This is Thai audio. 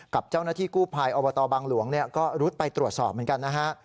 กับเจ้าหน้าที่กู้ภัยอบตบางหลวงก็รุดไปตรวจสอบเหมือนกันนะฮะ